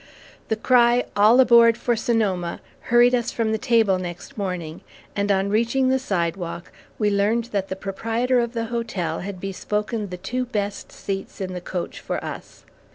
The cry, "All aboard for Sonoma!" hurried us from the table next morning, and on reaching the sidewalk, we learned that the proprietor of the hotel had bespoken the two best seats in the coach for us.